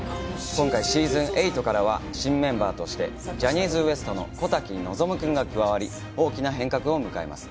今回、シーズン８からは、新メンバーとしてジャニーズＷＥＳＴの小瀧望君が加わり、大きな変革を迎えます。